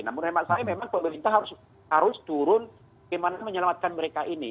namun hemat saya memang pemerintah harus turun bagaimana menyelamatkan mereka ini